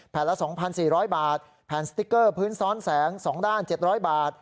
ละ๒๔๐๐บาทแผ่นสติ๊กเกอร์พื้นซ้อนแสง๒ด้าน๗๐๐บาท